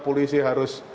polisi harus bekerja cepat